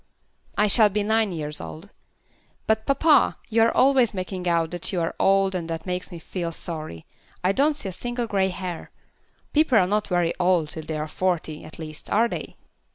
"I shall be nine years old. But, papa, you are always making out that you are old and that makes me feel sorry. I don't see a single grey hair. People are not very old till they are forty, at least, are they?"